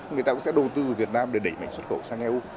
người ta cũng sẽ đầu tư vào việt nam để đẩy mạnh xuất khẩu sang eu